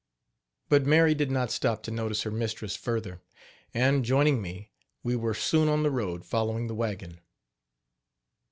But Mary did not stop to notice her mistress further; and, joining me, we were soon on the road following the wagon.